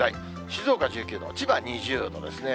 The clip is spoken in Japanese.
静岡１９度、千葉２０度ですね。